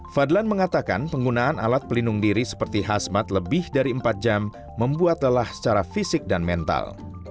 fadlan mengatakan penggunaan alat pelindung diri seperti hazmat lebih dari empat jam membuat lelah secara fisik dan mental